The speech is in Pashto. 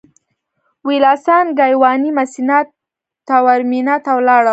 ویلاسان ګایواني مسینا تاورمینا ته ولاړم.